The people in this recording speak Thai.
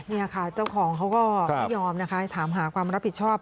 นี่ค่ะเจ้าของเขาก็ไม่ยอมนะคะถามหาความรับผิดชอบ